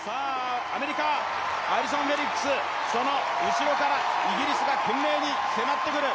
アメリカアリソン・フェリックスその後ろからイギリスが懸命に迫ってくる。